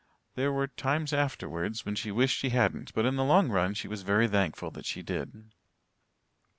There were times afterwards when she wished she hadn't, but in the long run she was very thankful that she did.